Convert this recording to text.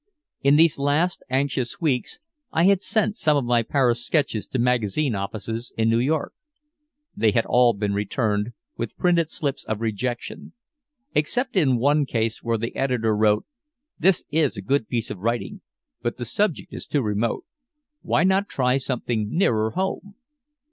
In these last anxious weeks I had sent some of my Paris sketches to magazine offices in New York. They had all been returned with printed slips of rejection, except in one case where the editor wrote, "This is a good piece of writing, but the subject is too remote. Why not try something nearer home?"